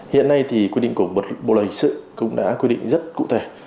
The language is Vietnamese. hiện nay thì quy định của bộ luật hình sự cũng đã quy định rất cụ thể